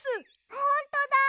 ほんとだ！